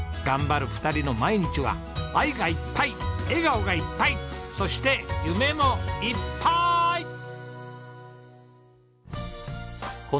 頑張る２人の毎日は愛がいっぱい笑顔がいっぱいそして夢もいっぱい！